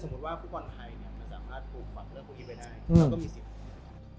แล้วก็มีเสียงของพวกนี้